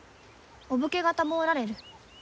お武家方もおられる。